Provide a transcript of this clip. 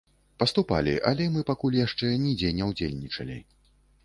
Паступалі, але мы пакуль яшчэ нідзе не ўдзельнічалі.